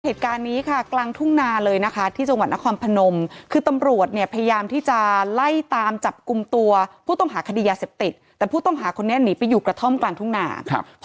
เหตุการณ์นี้ค่ะกลางทุ่งนาเลยนะคะที่จังหวัดนครพนมคือตำรวจเนี่ยพยายามที่จะไล่ตามจับกลุ่มตัวผู้ต้องหาคดียาเสพติดแต่ผู้ต้องหาคนนี้หนีไปอยู่กระท่อมกลางทุ่งนาครับ